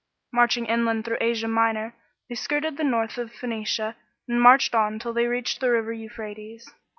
Marching inland through Asia Minor, they skirted the north of Phoenicia and marched on till they reached the river Euphrates.